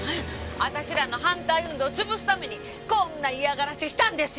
私らの反対運動を潰すためにこんな嫌がらせしたんですよ！